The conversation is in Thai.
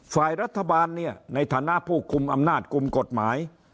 ฝ่ายรัฐบาลเนี่ยในฐานะผู้คุมอำนาจกลุ่มกฎหมาย